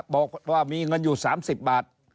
บอกว่ามีเงินอยู่๓๐บาท